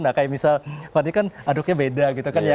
nah kayak misal tadi kan aduknya beda gitu kan ya